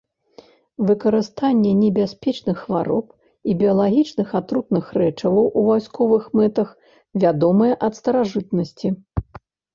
Выкарыстанне небяспечных хвароб і біялагічных атрутных рэчываў у вайсковых мэтах вядомае ад старажытнасці.